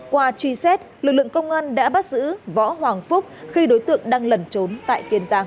qua truy xét lực lượng công an đã bắt giữ võ hoàng phúc khi đối tượng đang lẩn trốn tại kiên giang